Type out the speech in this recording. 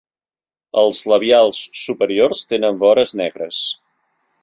Els labials superiors tenen vores negres.